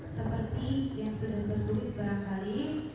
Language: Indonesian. seperti yang sudah tertulis berangkali